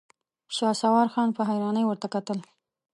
شهسوار خان په حيرانۍ ورته کتل.